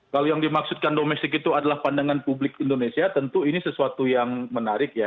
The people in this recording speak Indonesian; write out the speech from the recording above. kalau yang dimaksudkan domestik itu adalah pandangan publik indonesia tentu ini sesuatu yang menarik ya